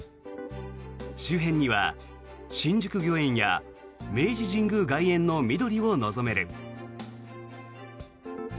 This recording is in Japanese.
周辺には、新宿御苑や明治神宮外苑の緑を望める。